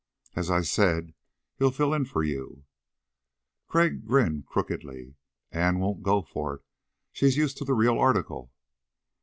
"As I said, he'll fill in for you." Crag grinned crookedly. "Ann won't go for it. She's used to the real article."